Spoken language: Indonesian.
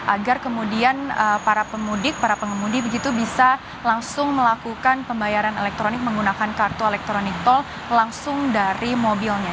agar kemudian para pemudik para pengemudi begitu bisa langsung melakukan pembayaran elektronik menggunakan kartu elektronik tol langsung dari mobilnya